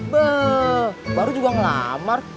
beuh baru juga ngelamar